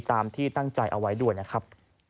ตามที่ตั้งใจเอาไว้ด้วยนะครับ